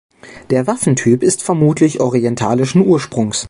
Der Waffentyp ist vermutlich orientalischen Ursprungs.